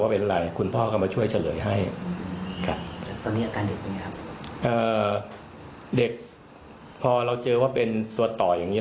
แต่ตอนแรกเราไม่รู้หรอกว่าเป็นอะไรท